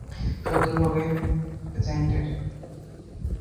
শত্রু পক্ষের এজেন্টের।